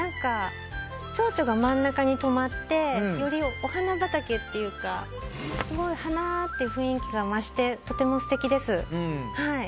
チョウチョが真ん中に止まってよりお花畑というかすごい花っていう雰囲気が増してとても素敵です。